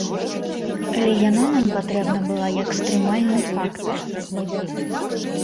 Але яна нам патрэбна была як стрымальны фактар.